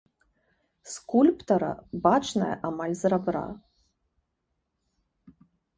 Скульптара, бачная амаль з рабра.